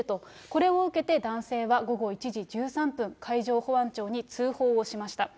これを受けて、男性は午後１時１３分、海上保安庁に通報をしました。